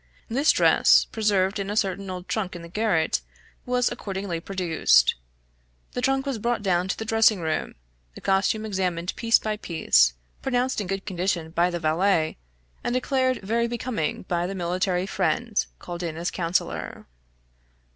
This dress, preserved in a certain old trunk in the garret, was accordingly produced. The trunk was brought down to the dressing room, the costume examined piece by piece, pronounced in good condition by the valet, and declared very becoming by the military friend called in as counsellor.